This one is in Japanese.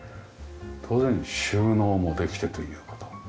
当然収納もできてという事。